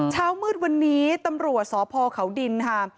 เช้ามืดวันนี้ตำรวจสพเขาดินค่ะ